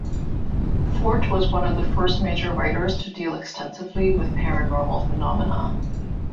Fort was one of the first major writers to deal extensively with paranormal phenomena.